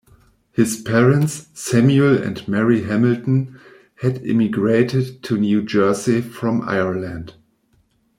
His parents, Samuel and Mary Hamilton, had immigrated to New Jersey from Ireland.